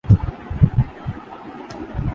میں نے واقعات کے بین السطور پڑھنے کی کوشش کی ہے۔